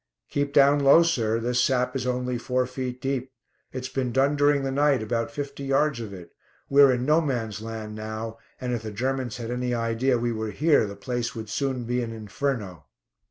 "Keep down low, sir. This sap is only four feet deep. It's been done during the night, about fifty yards of it. We are in 'No Man's Land' now, and if the Germans had any idea we were here, the place would soon be an inferno."